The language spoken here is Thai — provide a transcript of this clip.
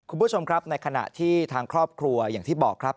คุณผู้ชมครับในขณะที่ทางครอบครัวอย่างที่บอกครับ